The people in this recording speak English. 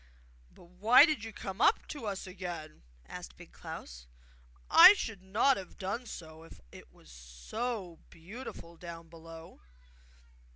'But why did you come up to us again?' asked Big Klaus. 'I should not have done so, if it is so beautiful down below!